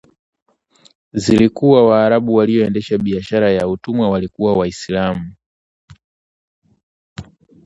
zilikuwa, waarabu walioendesha biashara ya watumwa walikuwa waislamu